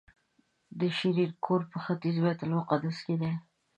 د شیرین کور په ختیځ بیت المقدس کې دی.